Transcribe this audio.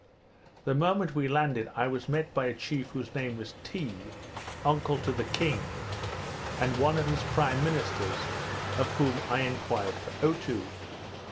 The moment we landed I was met by a chief whose name was Tee, uncle to the king, and one of his prime ministers, of whom I enquired for Otoo.